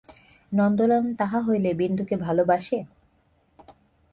নন্দলাল তাহা হইলে বিন্দুকে ভালোবাসে?